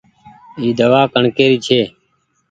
اي دوآ ڪڻڪي ري ڇي۔